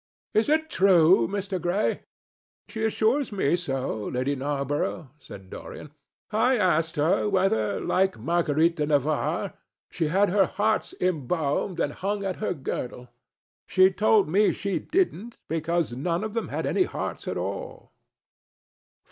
"Is it true, Mr. Gray?" "She assures me so, Lady Narborough," said Dorian. "I asked her whether, like Marguerite de Navarre, she had their hearts embalmed and hung at her girdle. She told me she didn't, because none of them had had any hearts at all."